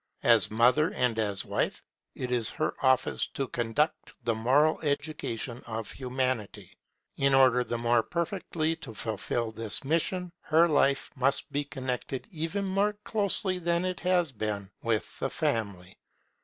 As mother and as wife, it is her office to conduct the moral education of Humanity. In order the more perfectly to fulfil this mission, her life must be connected even more closely than it has been with the Family.